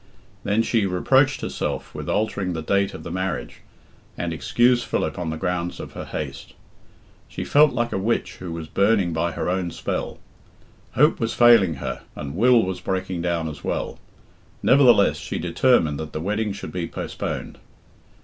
Then she reproached herself with altering the date of the marriage, and excused Philip on the grounds of her haste. She felt like a witch who was burning by her own spell. Hope was failing her, and Will was breaking down as well. Nevertheless, she determined that the wedding should be postponed.